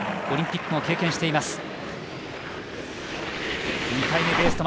オリンピックも経験しています。